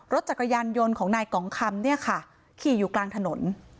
รถจักรยานยนต์ของนายกองคำเนี่ยค่ะขี่อยู่กลางถนน